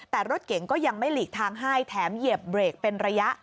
แต่รถเก๋งก็ยังไม่หลีกทางให้แถมเหยียบเบรกเป็นระยะ